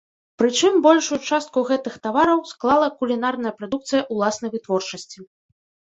Прычым большую частку гэтых тавараў склала кулінарная прадукцыя ўласнай вытворчасці.